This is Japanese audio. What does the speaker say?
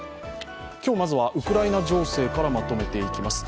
今日まずはウクライナ情勢からまとめていきます。